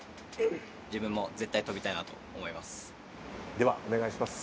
ではお願いします。